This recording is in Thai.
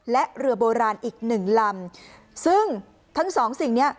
และเรือโบราณอีกหนึ่งลำซึ่งทั้งสองสิ่งเนี้ย